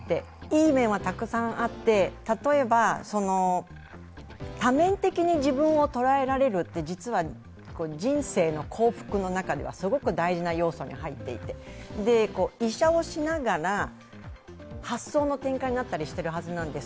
いい面はたくさんあって例えば、多面的に自分を捉えられるって実は人生の幸福の中ではすごく大事な要素に入っていて、医者をしながら発想の転換になったりしているはずなんです。